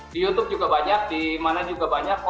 di youtube juga banyak di mana juga banyak